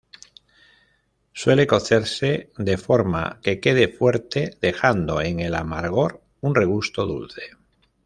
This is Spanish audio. Suele cocerse de forma que quede fuerte, dejando en el amargor un regusto dulce.